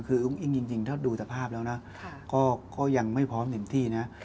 คืออุ้งอิงจริงถ้าดูสภาพแล้วนะก็ยังไม่พร้อมเต็มที่นะ